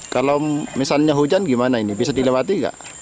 kalau misalnya hujan bisa dilewati